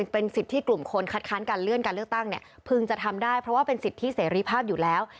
เป็นสิทธิ์ที่กลุ่มคนคัดค้านการเลื่อนการเลือกตั้งเนี่ยพึงจะทำได้เพราะว่าเป็นสิทธิเสรีภาพอยู่แล้ว